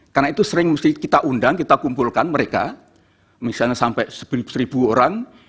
karena itu sering kita undang kita kumpulkan mereka misalnya sampai seribu orang